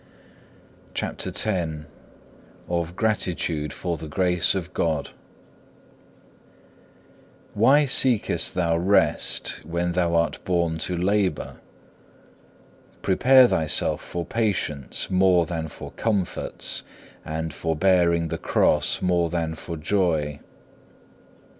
CHAPTER X Of gratitude for the Grace of God Why seekest thou rest when thou art born to labour? Prepare thyself for patience more than for comforts, and for bearing the cross more than for joy.